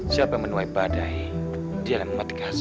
siapa yang menuai badai dia yang mematikan